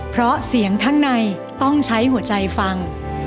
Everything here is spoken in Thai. เพราะเสียงข้างในต้องใช้หัวใจฟัง